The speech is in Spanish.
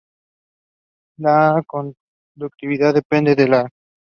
La conductividad depende de la estructura atómica y molecular del material.